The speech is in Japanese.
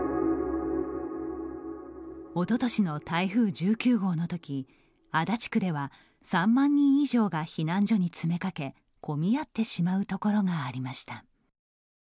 おととしの台風１９号のとき足立区では３万人以上が避難所に詰めかけ混み合ってしまうところがありました。